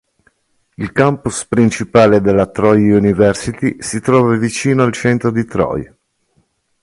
Il campus principale della Troy University si trova vicino al centro di Troy.